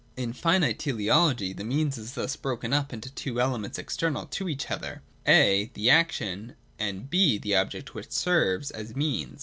In finite teleology the Means is thus broken up into two elements external to each other, (a) the action and (6) the object which serves as Means.